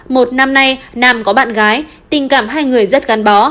một năm nay nam có bạn gái tình cảm hai người rất gắn bó